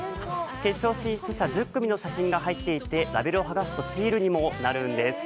決勝進出者１０組の写真が貼っていてラベルを剥がすとシールにもなるんです。